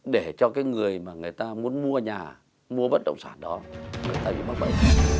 để cho người mà người ta muốn mua nhà mua bất động sản đó người ta phải bắt bậy